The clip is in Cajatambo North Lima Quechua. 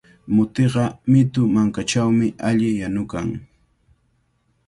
Mutiqa mitu mankachawmi alli yanukan.